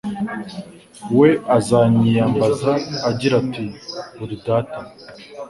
We azanyiyambaza agira ati ’Uri Data